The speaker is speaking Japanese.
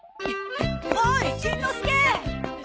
おいしんのすけ！